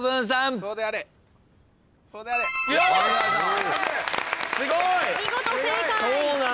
・すごい！